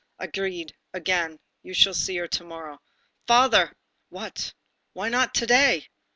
"Agreed again, you shall see her to morrow." "Father!" "What?" "Why not to day?"